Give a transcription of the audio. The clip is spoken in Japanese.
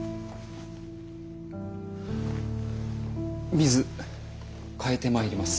水替えてまいります。